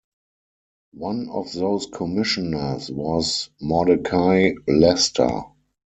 One of those commissioners was Mordecai Lester.